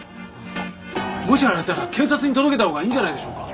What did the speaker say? もしあれだったら警察に届けたほうがいいんじゃないでしょうか？